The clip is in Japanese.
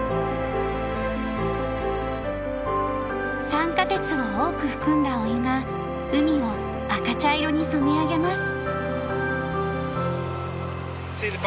酸化鉄を多く含んだお湯が海を赤茶色に染め上げます。